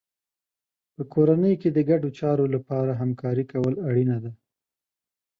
په کورنۍ کې د ګډو چارو لپاره همکاري کول اړینه ده.